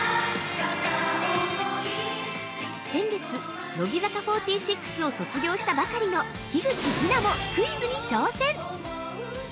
◆先月、乃木坂４６を卒業したばかりの樋口日奈もクイズに挑戦。